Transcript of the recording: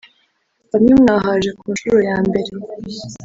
bamwe mwahaje ku nshuro ya mbere